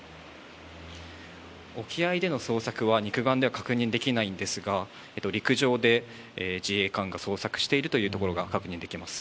沖合での捜索は、肉眼では確認できないんですが、陸上で自衛官が捜索しているというところが確認できます。